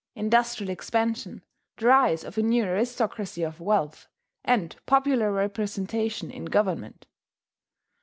industrial expansion, the rise of a new aristocracy of wealth, and popular representation in government!